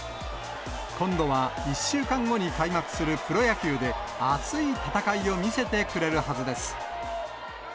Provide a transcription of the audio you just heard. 今度は１週間後に開幕するプロ野球で熱い戦いを見せてくれるはずです。